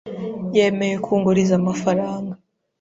yemeye kunguriza amafaranga.